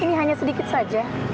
ini hanya sedikit saja